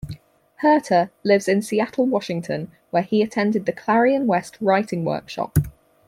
Herter lives in Seattle, Washington, where he attended the Clarion West writing workshop.